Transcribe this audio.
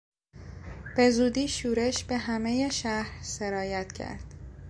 به زودی شورش به همهی شهر سرایت کرد.